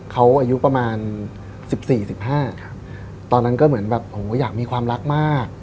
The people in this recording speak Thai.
เขาอายุประมาณ๑๔๑๕ตอนนั้นก็เหมือนแบบโอ้โหอยากมีความรักมาก